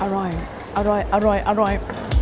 อร่อยอร่อยอร่อยอร่อย